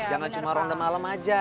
jangan cuma ronda malam aja